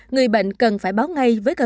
người bệnh cần phải báo ngay với cơ sở